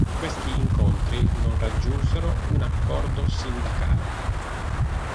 Questi incontri non raggiunsero un accordo sindacale.